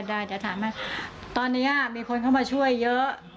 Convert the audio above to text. ได้แต่ถามว่าตอนนี้มีคนเข้ามาช่วยเยอะ